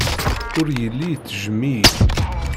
Ur yelli ittejjem-iyi.